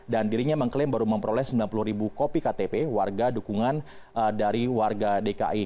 dan dirinya mengklaim baru memperoleh sembilan puluh ribu kopi ktp warga dukungan dari warga dki